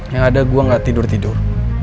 yang ada gue gak tidur tidur